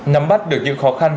nắm bắt được những khó khăn